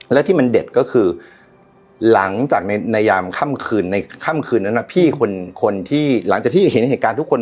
แล้วเขาก็เลยคุยกันสองคน